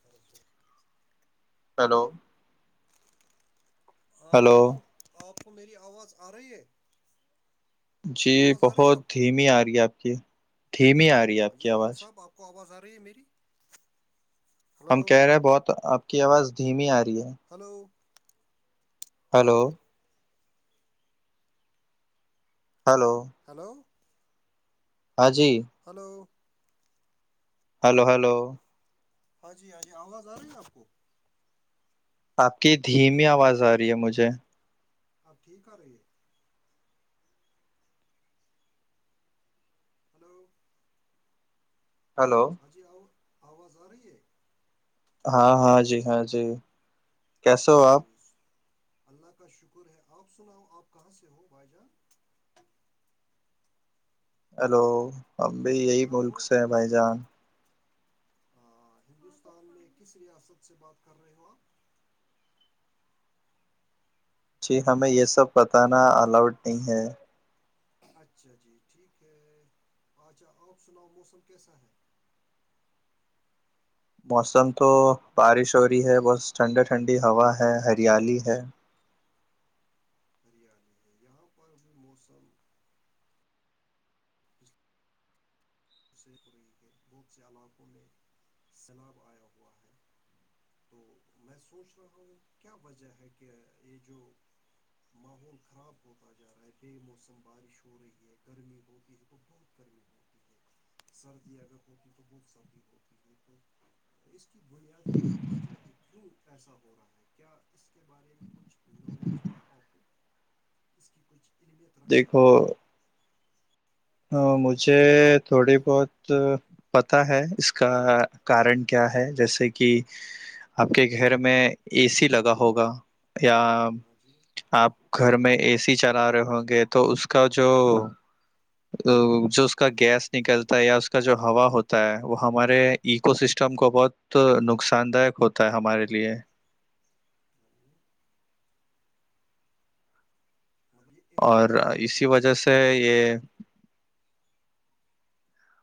تھیکو hello ہاں hello hello آپ کو میری آواز آ رہی ہے جی آواز آ رہی ہے بہت آپ کو دھیمی آ رہی ہے آپ کی دھیمی آ رہی ہے ہاں آپ جی کی روہن آواز صاحب آپ کو آواز آ رہی ہے میری ہلو ہم کہہ رہے ہیں بہت آپ کی آواز دھیمی آ رہی ہے ہلو ہلو ہلو ہلو ہاں جی ہلو ہلو ہلو ہاں جی ہاں جی آواز آ رہی ہے آپ کو آپ کی دھیمی آواز آ رہی ہے مجھے آپ ٹھیک آ رہی ہے ہلو ہلو ہاں جی آو آواز آ رہی ہے ہاں ہاں جی ہاں جی کیسے ہاں ہو جی آپ اللہ کا شکر ہے آپ سناؤ آپ کہاں سے ہو بھائی جان ہیلو ہمب بھی یہی ہلو ملک سے ہیں بھائی جان ہندوستان میں کس ریاست سے بات کر رہے ہو آپ جی ہمیں یہ سب بتانا الاؤڈ نہیں ہے اچھا جی ٹھیک ہے اچھا آپ سناؤ موسم کیسا ہے موسم تو بارش ہو رہی ہے بہت ٹھنڈی ٹھنڈی ہوا ہے ہریالی ہے ہریالی ہے یہاں پر بھی موسم [unintelligible] پوری کے بہت سے علاقوں میں سیلاب آیا ہوا ہے تو میں سوچ رہا ہوں کیا وجہ ہے کہ یہ جو ماحول خراب ہوتا جا رہا ہے بے موسم بارش ہو رہی ہے گرمی ہو گئی ہے تو بہت گرمی ہو ہھیک ہے سردی اگر ہوتی تو بہت سردی ہوتی ہےئی تو اس کی بنیادی کیا وجہ ہے کیوں ایسا ہو رہا ہے کیا اس کے بارے میں کچھ نالج ہے آپ کو اس کی کچھ انمیت رکھتی دیکھو بات مجھے تھوڑی بہت پتا ہے اس کا کارن کیا ہے جیسے کہ آپ کے گھر میں اے سی لگا ہوگا یا ہاں جی آپ گھر میں اے سی چلا رہے ہوں گے تو اس کا جو ا جو اس کا گیس نکلتا ہے یا کا جو ہوا ہوتا ہے وہ ہمارے ایکو سسٹم کو بہت تو نقصان داک ہوتا ہے ہمارے لیے ہاں مطلب یہ ایک اور کارن یہ بھی اسی ہو وجہ سکتا سے ہے یہ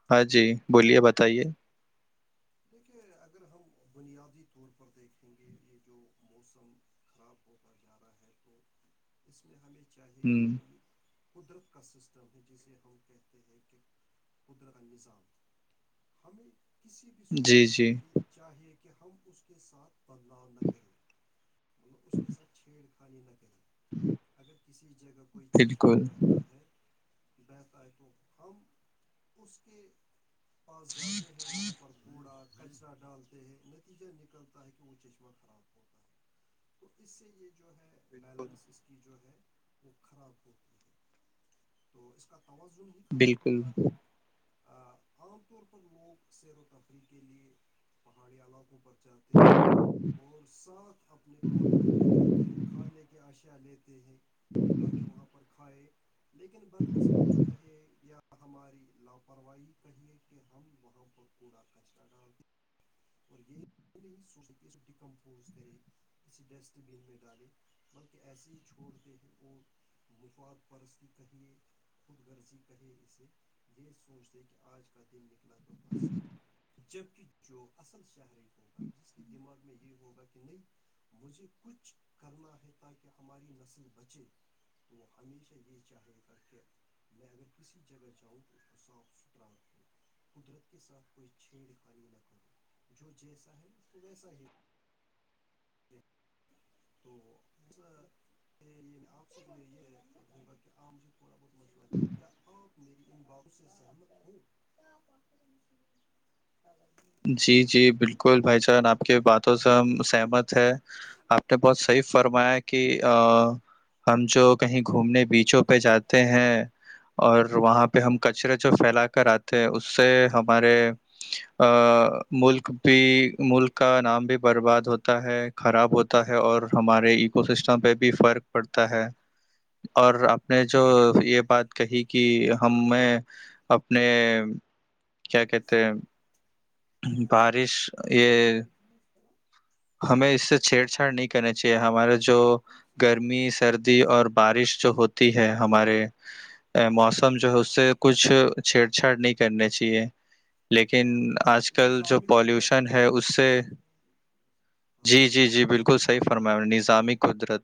ہاں جی بولیے بتائیے دیکھیے اگر ہم بنیادی طور پر دیکھیں گے یہ جو موسم خراب ہوتا جا رہا ہے تو اس میں ہمیں ہ چاہیے کہ جو یہ قدرت کا سسٹم ہے جسے ہم کہتے ہیں کہ قدرت نظام ہمیں کسی بھی جی صورت میں جی یہ چاہیے کہ ہم اس کے ساتھ بدلاؤ نہ کریں مل اس کے ساتھ چھیڑ خانی نہ کریں اگر کسی جگہ کوئی چشمہ بالکل پہتا ہے بتا ہے تو ہم اس کے پاس جاتے ہیں وہاں پر کوڑا کچرا ڈالتے ہے نتیجہ نکلتا ہے کہ وہ چشمہ خراب ہوتا ہے تو اس سے یہ جو ہے بالکل بیلنس اس کی جو ہے وہ خراب ہوتی ہے تو اس کا توازن ہی خراب بالکل ہوتا ہے عام طور پر لوگ سیروں کے تفریح کے لیے پہاڑی علاقوں پر جاتے ہیں اور ساتھ اپنے پالیتھین لے جاتے ہیں کھانے کی اشیاء لیتے ہیں تاکہ وہاں پر کھائے لیکن بد قسمتی کہے یا ہماری لاپرواہی کہیے کہ ہم وہاں پر کوڑا کچرا ڈال اور یہ نہیں سو کہ ڈیکمپوز کرے کسی ڈسٹ بین میں ڈالیں بلکہ ایسے ہی چھوڑتے ہیں اور تو مفاد پرستی کہیے خوود غرزی کہے اسے یہ سوچ دے کہ آج کا دن نکلا تو بس جبک جو اصل شہری ہوگا جس کے دماغ میں یہ ہوگا کہ نہیں مجھے کچھ کرنا ہے تاکہ ہماری نسل بچے تو ہمیشہ یہ چاہے گا کہ میں اگر کسی جگہ جاؤں تو اس کو صاف ستھرا رکھوں قدرت کے ساتھ کوئی چھیڑ خانی نہ کرو جو جیسا ہے اس کو ویسا ہی رہے۔ تو ایسا ے آپ سے یہوں گا کہ آام مجھے تھوڑا بہت مشور ہےے کیا آام میری ان باؤوں سے سہمت ہو [unintelligible] جی جی ہاں بالکل جی بھائی چان آپ کے باتوں سے ہم سہمت ہے آپ نے بہت صحی فرمایا کہ ہم جو کہیں گھومنے بیچوں پہ جاتے ہیں اور وہاں پہ ہم کچرے جو پھیلا کر آتے تھے اس سے ہمارے ملک بھی ملک کا نام بھی برباد ہوتا ہے خراب ہوتا ہے اور ہمارے ایکو سسٹم پہ بھی فرق پڑتا ہے اور آپ نے جو یہ بات کہی کہ ہم میں اپنے کیا کہتے ہیں بارش یہ [unintelligible] ہمیں اس سے چھیڑ چاڑ نہیں کرنی چاہیے ہمارے جو گرمی سردی اور بارش جو ہوتی ہے ہمارے موسم جو ہے اس سے کچھ چھیڑ چاڑ نہیں کرنی چاہیے لیکن ہاں آج کل جو نظامی قدرت پالیوشن ہے اس سے ہاں جی جی پولوشن جی بالکل صحیح فرمایا بڑھتا نظامی ہے قدرت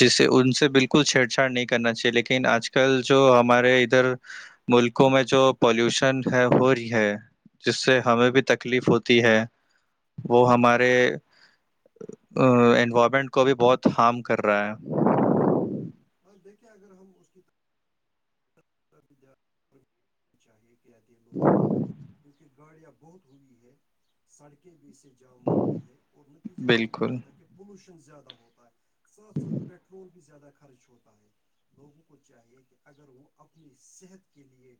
جسے ہاں ان سے بالکل چھیڑ چاڑ نہیں کرنا چاہیے لیکن آج کل جو ہمارے ادھر ملکوں میں جو پالوشن ہے ہو رہی ہے جس سے ہمیں بھی تکلیف ہوتی ہے وہ ہمارے انوائرمنٹ کو بھی بہت ہارم کر رہا ہے ہاں دیکیں اگر ہم اس کی چاہیے کہات ہیں لوگوں کو کیونکہ گاڑیاں بہت ہوئی ہے سڑکیں بھی اسے جام ہوتی ہے اور نتیجہ یہی بالکل نکلتا ہے کہ پولوشن زیادہ ہوتا ہے ساتھ ساتھ پٹرول بھی زیادہ خرچ ہوتا ہے لوگوں کو چاہیے کہ اگر وہ اپنی صحت کے لیے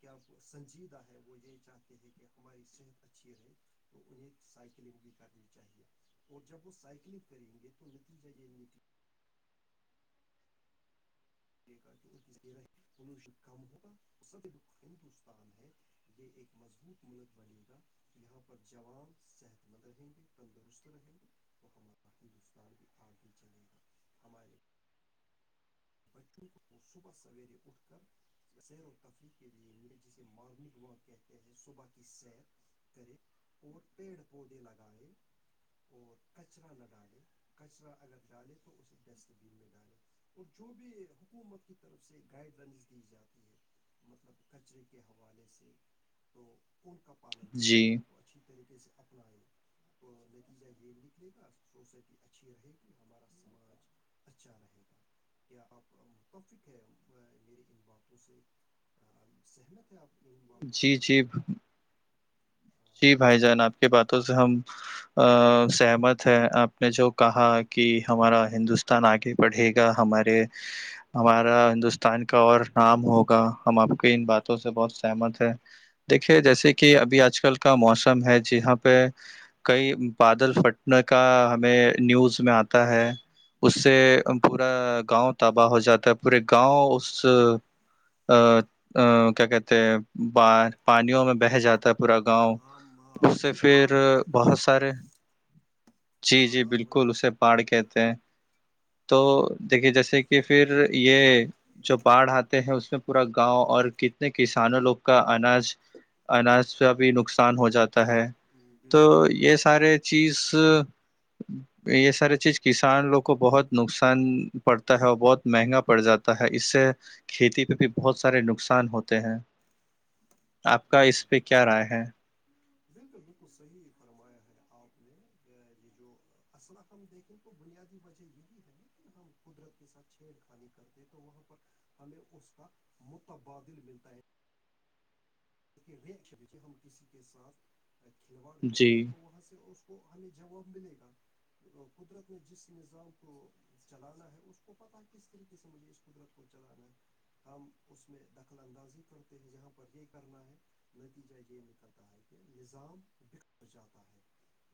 کیا سنجیدہ ہے وہ یہ چاہتے ہیں کہ ہماری صحت اچھی رہے تو انہیں سائیکلنگ بھی کرنی چاہیے اور جب وہ سائکلنگ کریں گے تو نتیجہ یہ نکل پوشن کم ہوگا اس سب ہندوستان ہے یہ ایک مضبوط ملک بنے گا یہاں پر جوان صحت مند رہیں گے تندرست رہیں گے تو ہمارا ہندوستان بھی آگے چلے گا ہمارے بچوں کو صبح سویرے اٹھ کر سیر و تفریح کے لیے جسے مارننگ واک کہتے ہیں صبح کی سیر کرے اور پیڑ پودے لگائے اور کچرا نہ ڈالیں کچرا اگر ڈالیں تو اسی ڈسٹ بین میں ڈالیں اور جو بھی حکومت کی طرف سے گائیڈ لائنس دی جاتی ہے مطلب کچرے کے حوالے سے تو ان کا پالن کرے جی کو اچا اچھی طریقے سے اپلائیں تو نتیجہ یہ نکلے گا سوسائٹی اچھی رہے گی ہمارا سماج اچھا رہے گا کیا آپ متفق ہے میری ان باتوں سے سہمت ہے آپ جی بالپ سے جی نے جی جی بھائی جان آپ کے باتوں سے ہم ا سہمت ہے آپ نے جو کہا کہ ہمارا ہندوستان آگے پڑھے گا ہمارے ہمارا ہندوستان کا اور نام ہو ہم آپ کی ان باتوں سے بہت سہمت ہے دیکھیے جیسے کہ ابھی آج کل کا موسم ہے جاں پہ کئی بادل پھٹنے کا ہمیں نیوز میں آتا ہے اس سے میرے پورا بالکل گاؤں تباہ ہو جاتا ہے پورے گاؤں اس کیا کہتے ہیں ب پانیوں میں بہ جاتا ہے پورا گاؤں آم ہاں اس سے جسے پھر باڑھ بھی کہتے بہت ہیں سارے جی ہاں جی ہاں بولیے بالکل اس باڑ کہتے ہیں تو دیکھیے جیسے کہ پھر یہ جو پہاڑ ہات ہیں اس میں پورا گاؤں اور کتنے کسانوں لوگ کا اناج اناج کا بھی نقصان نقصان ہو جاتا ہے تو بالکل یہ بالکل سارے بالکل چیز یہ سارے چیز کسان لو کو بہت نقصان پڑتا ہے اور بہت مہنگا پڑ جاتا ہے اس سے کھیتی پہ بھی بہت سارے نقصان ہوتے ہیں آپ کا بالکل اس پہ بالکل کیا رائے ہے بالکل بالکل صحیح فرمایا ہے آپ نے یہ جو الا ہم دیکھیں تو بنیادی وجہ یہی ہے نا کہ ہم قدرت کے ساتھ چھیڑ خانی کرتے ہیں تو وہاں پر ہمیں اس کا متبادل ملتا ہے ہم کسی کے ساتھ کھلواڑ کریں جی گے تو وہاں سے کو ہمیں جواب ملے گا قدرت نے جس نظام کو چلانا ہے اس کو پتا کس طریقے سے مجھے اس قدرت کو چلانا ہے ہم اس میں دخل اندازی کرتے ہیں جہاں پر یہ کرنا ہے نتیجہ یہ نکلتا ہے کہ نظام بکھر جاتا ہے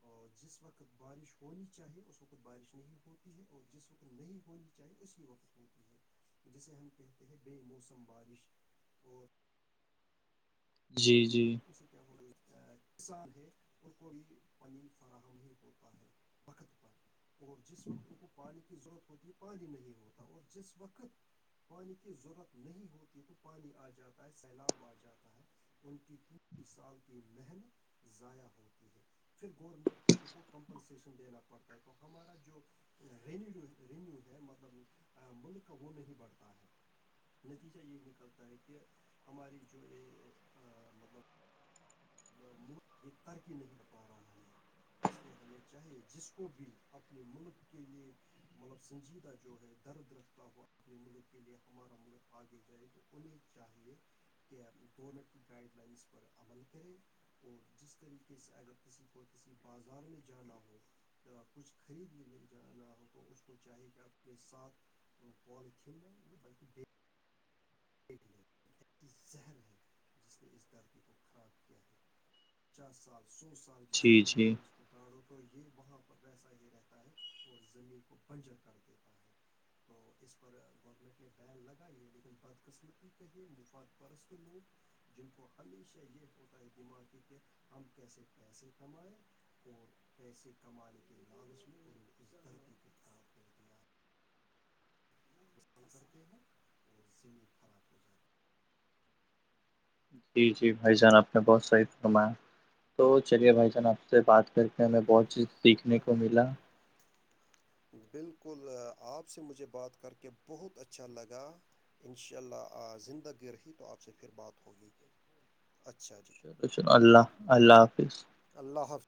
اور جس وقت بارش ہونی چاہیے اس وقت بارش نہیں ہوتی ہے اور جس وقت نہیں ہونی چاہ اسی وقت ہوتی ہے جسے ہم کہتے ہیں بے موسم بارش اور جی جی اس سے کیا ہو رہا کسان ہے ان کو بھی پانی فراہم نہیں ہوتا ہے وقت پر اور جس وقت ان کو پانی کی ضرورت ہو ہوتی پانی نہیں ہوتا اور جس وقت پانی کی ضرورت نہیں ہوتی تو پانی آ جاتا ہے سیلاب آ جاتا ہے ان کی ت سال کی محنت ضائع ہوتی ہے پھر گورنمنٹ کو ان کو کمپنسشن دینا پڑتا ہے تو ہمارا جو رینیو رینیو ہے مطلب ملک کا وہ نہیں بڑھتا ہے نتیجہ یہ نکلتا ہے کہ ہماری جو یہ مطلب ملک یہ ترکی نہیں پا رہا ہے اس لیے ہمیں چاہیے جس کو بھی اپنے ملک کے لیے مطلب سنجیدہ جو ہے در درخ کا ہوا اپنے ملک کے لیے ہمارا ملک آگے جائے تو انہیں چاہیے کہ گورنمنٹ کی گائڈ لائنس پر عمل کرے اور جس طریقے سے اگر کسی کو کسی بازار میں جانا ہو کچھ خرید کے لے جانا ہو تو اس کو چاہے کہ اپنے ساتھ پالتین بلکہ پ لے ایسی زہر ہے جس نے اس دھرتی کو خراب کیا ہے پچاس سال سو سال کی جی زمین میں جی اگر اگاڑو تو یہ وہاں پر ویسا ہی رہتا ہے اور زمین کو بنجر کر دیتا ہے تو اس پر گورنمنٹ نے بیین لگائی ہے لیکن بد ققسمتی کہے مفاد پرست لوگ جن کو ہمیشہ یہ ہوتا ہے دماغی کہ ہم کیسے پیسے کمائیں اور پیسے کمانے کے لالچ بھی انہوں نے اس دھرتی کو خراب کر دیا ہے کرتے ہیں اور زمین خراب ہو جاتی ہے جی جی بھائی جان آپ نے بہت صحی فرمایا تو چلیے بھائی جان آپ سے بات کر کے ہے ہمیں تو بہت رہے چیز دیکھنے تاکہ کو ملا [inaudible] بالکل آپ سے مجھے بات کر کے بہت اچھا لگا انشاء اللہ زندہ گ رہی تو آپ سے پھر بات ہوگی اچھا جی چلو چلو اللہ اللہ حافظ اللہ حافظ [unintelligible]